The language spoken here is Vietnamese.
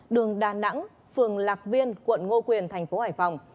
đường đà nẵng phường lạc viên quận ngô quyền thành phố hải phòng